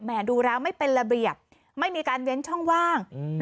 ดูแล้วไม่เป็นระเบียบไม่มีการเว้นช่องว่าง